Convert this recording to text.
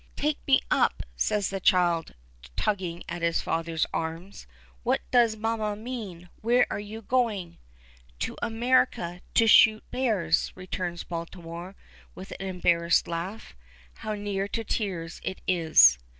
"Take me up," says the child, tugging at his father's arms. "What does mamma mean? Where are you going?" "To America, to shoot bears," returns Baltimore with an embarrassed laugh. How near to tears it is.